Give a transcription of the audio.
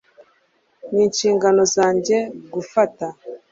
ninshingano zanjye kugufasha